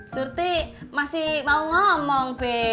surti masih mau ngomong